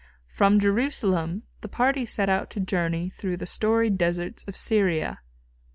From Jerusalem the party set out to journey through the storied deserts of Syria.